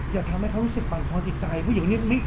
อย่าทำให้เขารู้สึกปันของอีกใจผู้หญิงนี้ไม่